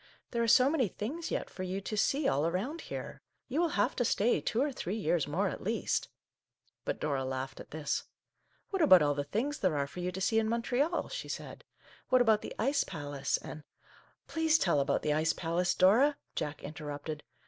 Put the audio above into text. " There are so many things yet for you to see all around here. You will have to stay two or three years more at least !" But Dora laughed at this. " What about all the things there are for you to see in Montreal ?" she said. " What about the Ice Palace, and —"" Please tell about the Ice Palace, Dora," Jack interrupted.